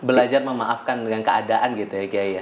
belajar memaafkan dengan keadaan gitu ya kiaya